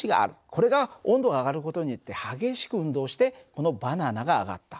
これが温度が上がる事によって激しく運動してこのバナナが上がった。